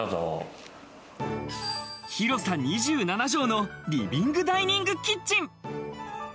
広さ２７帖のリビングダイニングキッチン。